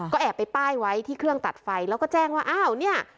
ก็แอบไปป้ายไว้ที่เครื่องตัดไฟแล้วก็แจ้งว่าอ้าวเนี่ย